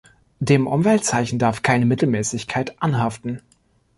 Dem Umweltzeichen darf keine Mittelmäßigkeit anhaften.